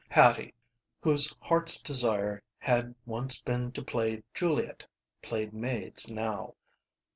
Hattie, whose heart's desire had once been to play Juliet, played maids now.